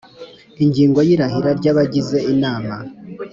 Ingingo ya irahira ry abagize inama